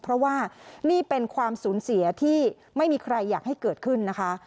เพราะว่านี่เป็นความสูญเสียที่ไม่มีใครอยากให้เกิดขึ้นนะคะ